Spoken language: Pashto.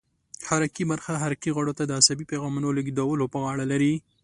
حرکي برخه حرکي غړو ته د عصبي پیغامونو لېږدولو په غاړه لري.